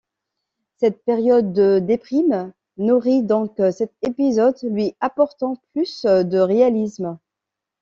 Cette période de déprime nourrit donc cet épisode, lui apportant plus de réalisme.